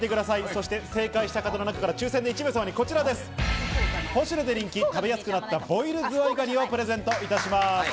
そして正解した方の中から抽選で１名様にこちらです、ポシュレで人気「食べやすくなったボイルズワイガニ」をプレゼントいたします。